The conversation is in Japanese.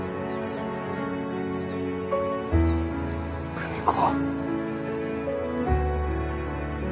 久美子。